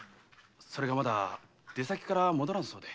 それがまだ出先から戻らぬそうで。